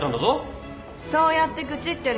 そうやってグチってる